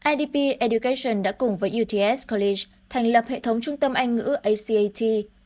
idp education đã cùng với uts clis thành lập hệ thống trung tâm anh ngữ acat